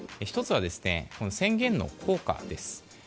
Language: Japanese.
１つは宣言の効果です。